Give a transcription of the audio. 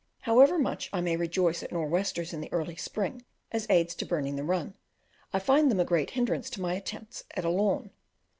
However much I may rejoice at nor' westers in the early spring as aids to burning the run, I find them a great hindrance to my attempts at a lawn.